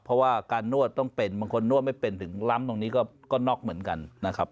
เพราะว่าการนวดต้องเป็นบางคนนวดไม่เป็นถึงล้ำตรงนี้ก็น็อกเหมือนกันนะครับ